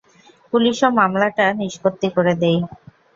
পুলিশও মামলাটা নিষ্পত্তি করে দেয়।